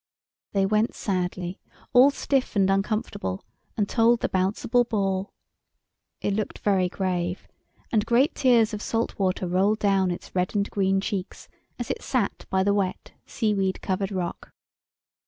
They went sadly, all stiff and uncomfortable, and told the Bouncible Ball. It looked very grave, and great tears of salt water rolled down its red and green cheeks as it sat by the wet, seaweed covered rock.